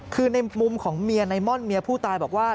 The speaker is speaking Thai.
คือในมุมของเมียในม่อนเมียผู้ตายบอกว่า